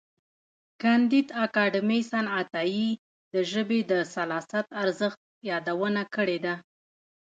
کانديد اکاډميسن عطايي د ژبې د سلاست ارزښت یادونه کړې ده.